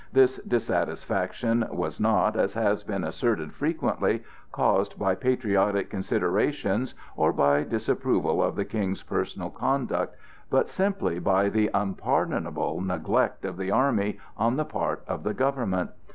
This dissatisfaction was not, as has been asserted frequently, caused by patriotic considerations or by disapproval of the King's personal conduct, but simply by the unpardonable neglect of the army on the part of the government.